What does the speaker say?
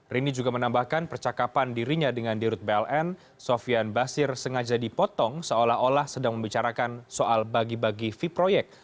rini juga menambahkan percakapan dirinya dengan dirut bln sofian basir sengaja dipotong seolah olah sedang membicarakan soal bagi bagi v proyek